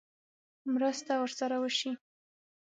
مرسته ورسره وشي.